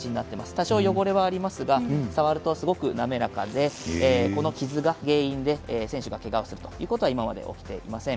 多少、汚れはありますが触るとすごく滑らかでこの傷が原因で選手がけがをするというようなことは今まで起きていません。